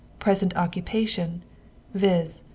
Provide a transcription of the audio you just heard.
Present occupation, viz.